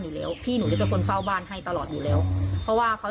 อยู่แล้วพี่หนูได้เป็นคนเฝ้าบ้านให้ตลอดอยู่แล้วเพราะว่าเขา